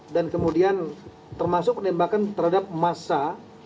dan kemudian termasuk penembakan terhadap massa